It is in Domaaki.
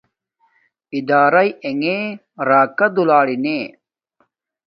ادارݵ انݣ راکا دولارینے